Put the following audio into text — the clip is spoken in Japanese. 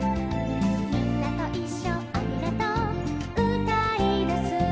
「みんなといっしょありがとううたいだす」